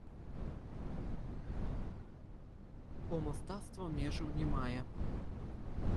Бо мастацтва межаў не мае!